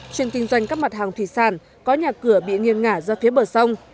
chuyên kinh doanh các mặt hàng thủy sản có nhà cửa bị nghiêm ngả do phía bờ sông